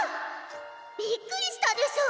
びっくりしたでしょ。